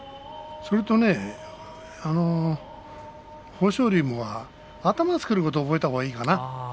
それとね豊昇龍も頭をつけることを覚えたほうがいいかもね。